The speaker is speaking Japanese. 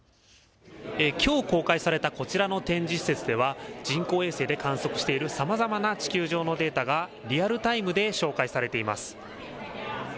きょう公開されたこちらの展示施設では人工衛星で観測しているさまざまな地球上のデータがリアルタイムで紹介されています。